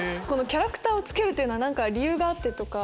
このキャラクターを付けるというのは何か理由があって？